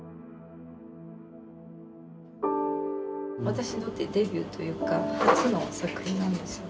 私のデビューというか初の作品なんですよ。